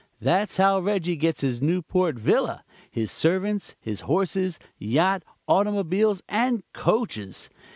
That's how Reggie gets his Newport villa, his servants, his horses, yacht, automobiles and coaches.